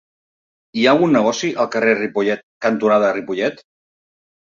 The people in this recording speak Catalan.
Hi ha algun negoci al carrer Ripollet cantonada Ripollet?